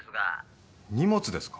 荷物ですか？